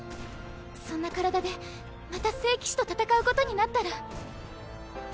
そんな体でまた聖騎士と戦うことになったら。